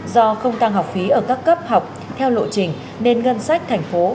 do không tăng học phí ở các cấp học theo lộ trình